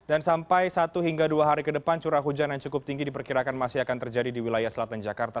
dan sampai satu hingga dua hari ke depan curah hujan yang cukup tinggi diperkirakan masih akan terjadi di wilayah selatan jakarta